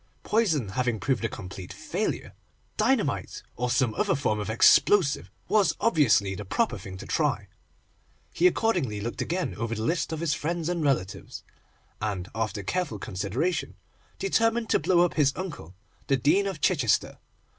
Poison having proved a complete failure, dynamite, or some other form of explosive, was obviously the proper thing to try. He accordingly looked again over the list of his friends and relatives, and, after careful consideration, determined to blow up his uncle, the Dean of Chichester.